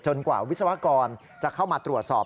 กว่าวิศวกรจะเข้ามาตรวจสอบ